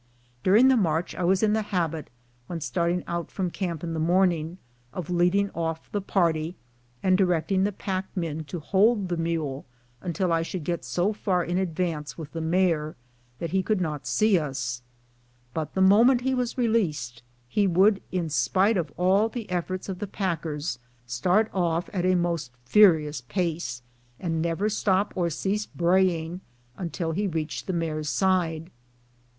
During the march I was in the habit, when starting out from camp in the morning, of leading off the party, and directing the packmen to hold the mule until I should get so far in ad vance with the mare that he could not see us ; but the mo ment he was released he would, in spite of all the efforts of the packers, start off at a most furious pace, and never stop or cease braying until he reached the mare's side.